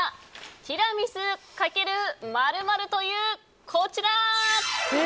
ティラミス×○○というこちら。